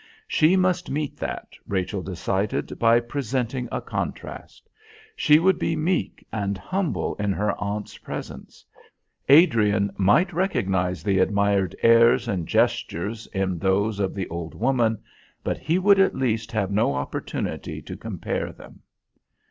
She must meet that, Rachel decided, by presenting a contrast. She would be meek and humble in her aunt's presence. Adrian might recognise the admired airs and gestures in those of the old woman, but he should at least have no opportunity to compare them....